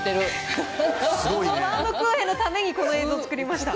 このバウムクーヘンのためにこの映像作りました。